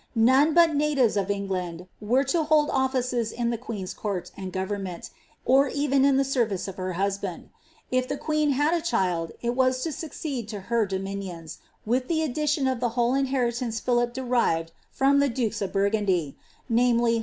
None but natives of England were to hold olfices in ihe queen's court and government, or even in the service of her husband. Jf the queen had a child, it waa lo succeed to her dominions, with the addition of ihe whole inheritance Philip derived from the dukes of Burgundy, namely.